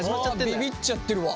あびびっちゃってるわ。